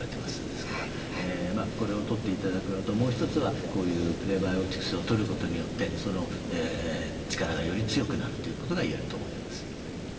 ですからこれをとって頂くのともう一つはこういうプレバイオティクスをとることによってその力がより強くなるということが言えると思います。